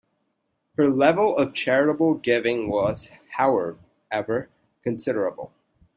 Her level of charitable giving was, however, considerable.